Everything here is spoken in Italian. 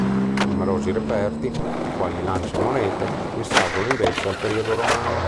Numerosi reperti, quali lance e monete, risalgono invece al periodo romano.